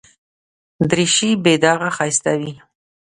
دریشي بې داغه ښایسته وي.